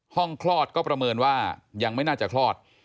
คลอดก็ประเมินว่ายังไม่น่าจะคลอด